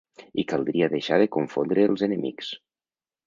I caldria deixar de confondre els enemics.